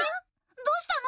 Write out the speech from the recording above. どうしたの？